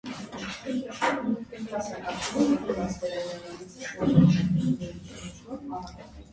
Այնուամենայնիվ, բադմինտոն խաղացողի կարիերան նրան չի գրավել։